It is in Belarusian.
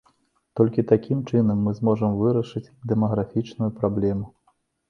Толькі такім чынам мы зможам вырашыць дэмаграфічную праблему.